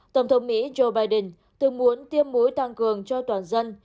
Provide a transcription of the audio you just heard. tổng thống mỹ joe biden từng muốn tiêm mũi tăng cường cho toàn dân